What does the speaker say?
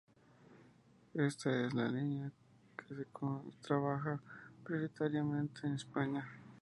Esta es la línea con que se trabaja prioritariamente en España.